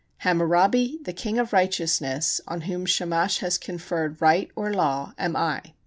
Hammurabi, the king of righteousness, on whom Shamash has conferred right [or law] am I.